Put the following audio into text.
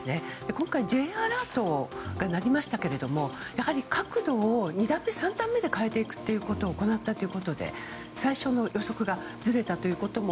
今回、Ｊアラートが鳴りましたが角度を２段目、３段目で変えていくことを行ったということで最初の予測がずれたということも